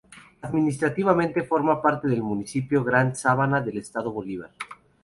Administrativamente forma parte del municipio Gran Sabana del Estado Bolívar.